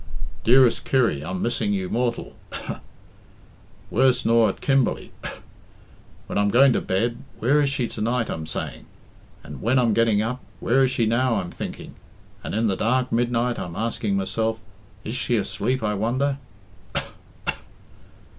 Dearest Kirry, I'm missing you mortal, worse nor at Kimberley. When I'm going to bed, 'Where is she to night?' I'm saying. And when I'm getting up, 'Where is she now?' I'm thinking. And in the dark midnight I'm asking myself, 'Is she asleep, I wonder?'